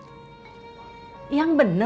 tidak ada yang ngerti